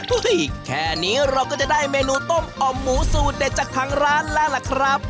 แค่นี้เราก็จะได้เมนูต้มอ่อมหมูสูตรเด็ดจากทางร้านแล้วล่ะครับ